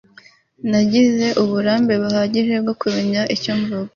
Nagize uburambe buhagije bwo kumenya icyo mvuga